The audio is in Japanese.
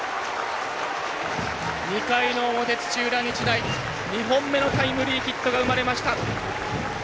２回の表、土浦日大２本目のタイムリーヒットが生まれました！